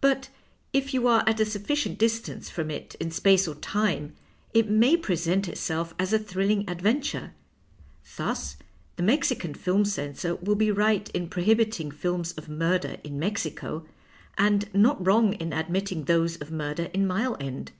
But if you are at a sufficient distance from it in space or time, it may present itself as a thrilling adventure. Thus the Mexican film censor will be right in prohibiting films of mmdcr in Mexico, and not ANTong in admit ting those of murder in Mile End.